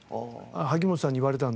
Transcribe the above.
萩本さんに言われたので。